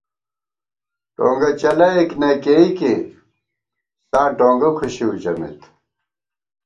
ٹونگہ چَلَئیک نہ کېئیکے، ساں ٹونگہ کھُشِؤ ژَمېت